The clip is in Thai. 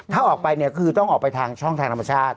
ถ้าออกไปเนี่ยคือต้องออกไปทางช่องทางธรรมชาติ